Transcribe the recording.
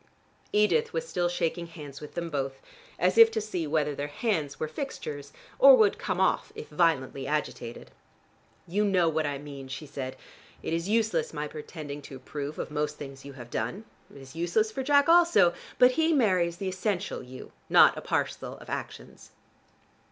Edith was still shaking hands with them both, as if to see whether their hands were fixtures or would come off if violently agitated. "You know what I mean," she said. "It is useless my pretending to approve of most things you have done: it is useless for Jack also. But he marries the essential you, not a parcel of actions."